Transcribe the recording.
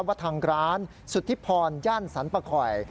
เบาะทางร้านสุธิพรย่านสรรพค่อย